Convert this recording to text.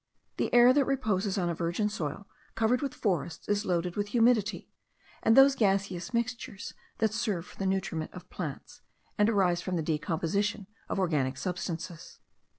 The air that reposes on a virgin soil covered with forests is loaded with humidity and those gaseous mixtures that serve for the nutriment of plants, and arise from the decomposition of organic substances.